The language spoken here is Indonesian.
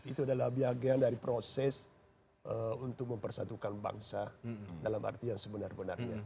itu adalah bagian dari proses untuk mempersatukan bangsa dalam arti yang sebenar benarnya